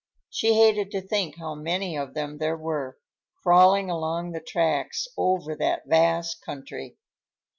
She hated to think how many of them there were, crawling along the tracks over that vast country.